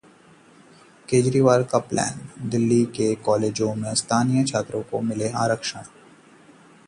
केजरीवाल का प्लान, दिल्ली के कॉलेजों में स्थानीय छात्रों को मिले आरक्षण